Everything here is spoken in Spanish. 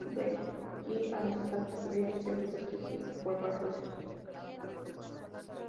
De ahí que la estatua tuviera que ser protegida por barrotes.